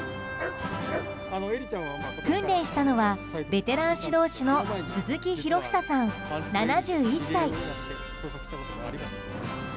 訓練したのはベテラン指導士の鈴木博房さん、７１歳。